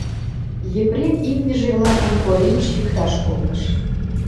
Епрем имньыже-влакым коремыш йӱкташ колтыш.